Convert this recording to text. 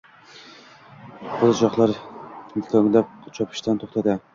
Qo‘zichoqlar dikonglab chopishdan to‘xtadi.